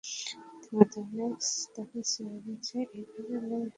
ইতোমধ্যে, ম্যাক্স তাকে ছেড়ে গেছে এই ভেবে ম্যারি হতাশ হয়ে পড়ে।